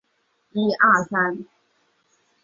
浅裂翠雀花为毛茛科翠雀属的植物。